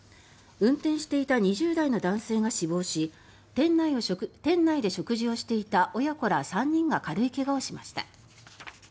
運転していた２０代の男性が死亡し店内で食事をしていた親子ら３人が軽い怪我をしました。